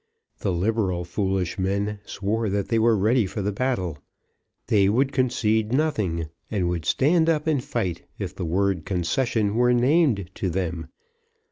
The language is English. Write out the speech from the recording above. The liberal foolish men swore that they were ready for the battle. They would concede nothing, and would stand up and fight if the word concession were named to them.